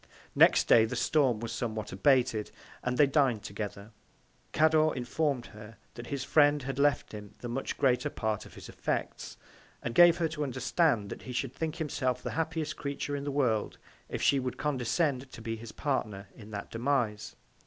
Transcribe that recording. Next Day the Storm was somewhat abated, and they din'd together; Cador inform'd her, that his Friend had left him the much greater Part of his Effects, and gave her to understand, that he should think himself the happiest Creature in the World, if she would condescend to be his Partner in that Demise.